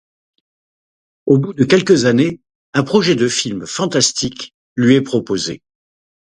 Au bout de quelques années, un projet de film fantastique lui est proposé.